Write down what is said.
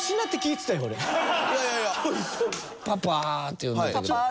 「パパ」って呼んでたけど。